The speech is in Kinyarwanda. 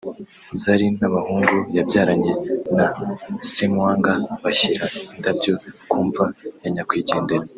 Zari n'abahungu yabyaranye na Ssemwanga bashyira indabyo ku mva ya nyakwigendera